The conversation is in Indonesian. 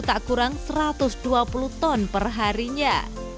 tak kurang satu ratus dua puluh ton perharinya